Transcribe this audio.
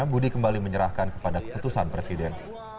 budi kembali menyerahkan kepada keputusan presiden